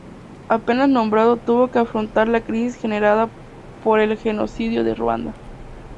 Apenas nombrado, tuvo que afrontar la crisis generada por el genocidio de Ruanda.